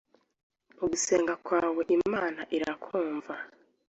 ugusenga kwawe Imana irakumva